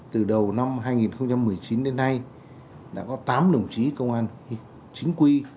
từ đầu năm hai nghìn một mươi chín đến nay đã có tám đồng chí công an chính quy